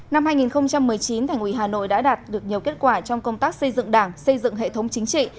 năm hai nghìn một mươi chín thành ủy hà nội đã đạt được nhiều kết quả trong công tác xây dựng đảng xây dựng hệ thống chính trị